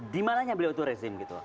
di mana yang beliau itu rezim